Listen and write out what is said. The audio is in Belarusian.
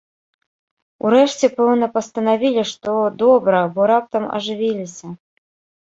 Урэшце, пэўна, пастанавілі, што добра, бо раптам ажывіліся.